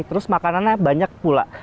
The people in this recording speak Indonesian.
terus makanannya banyak pula